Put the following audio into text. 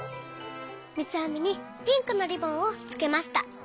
みつあみにピンクのリボンをつけました。